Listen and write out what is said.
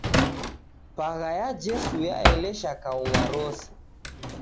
Pagha ya Jesu yaelesha kaung'a rose.